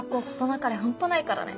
なかれ半端ないからね。